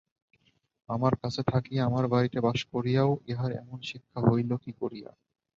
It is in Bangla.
আমার কাছে থাকিয়া, আমাদের বাড়িতে বাস করিয়াও ইহার এমন শিক্ষা হইল কী করিয়া।